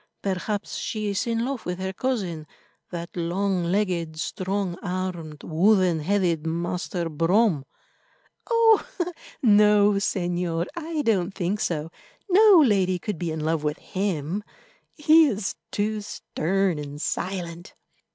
"Perhaps she is in love with her cousin, that long legged, strong armed, wooden headed Master Brome." "Oh! no, Señor, I don't think so; no lady could be in love with him—he is too stern and silent."